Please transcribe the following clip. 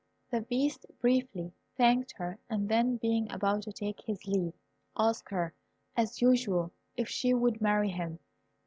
The Beast briefly thanked her, and then being about to take his leave, asked her, as usual, if she would marry him.